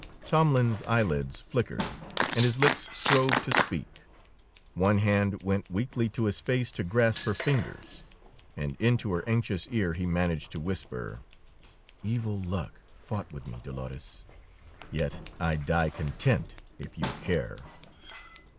Tomlin's eyelids flickered, and his lips strove to speak. One hand went weakly to his face, to grasp her fingers. And into her anxious ear he managed to whisper: "Evil luck fought with me, Dolores. Yet I die content if you care."